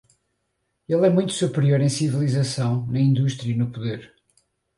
Ele é muito superior em civilização, na indústria e no poder.